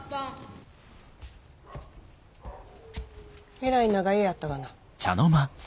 えらい長湯やったがな。